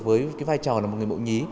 với vai trò là một người mẫu nhí